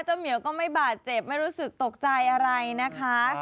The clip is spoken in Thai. เหมียวก็ไม่บาดเจ็บไม่รู้สึกตกใจอะไรนะคะ